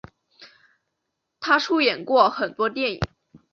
她出演过很多电影。